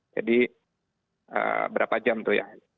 jadi berapa jam itu ya